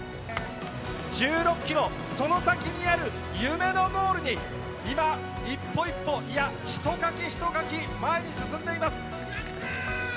１６キロ、その先にある夢のゴールに、今、一歩一歩、いや、一かき一かき前に進んでいます。